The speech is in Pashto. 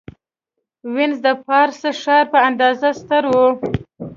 وینز د پاریس ښار په اندازه ستر و.